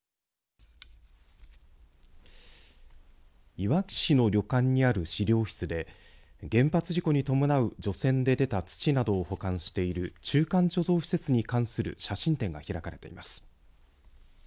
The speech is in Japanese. いわき市の旅館にある資料室で原発事故に伴う除染で出た土などを保管している中間貯蔵施設に関する写真展が開かれています。